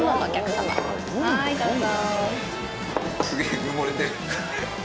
はいどうぞ。